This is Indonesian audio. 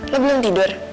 lo belum tidur